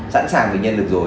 sẵn sàng với nhân lực rồi